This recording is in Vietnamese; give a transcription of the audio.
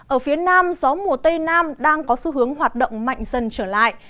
ở phía nam gió mùa tây nam đang có xu hướng hoạt động mạnh dần trở lại